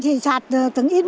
bị sạt lở nặng nề